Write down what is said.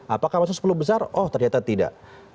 apakah masuk sepuluh besar oh ternyata tidak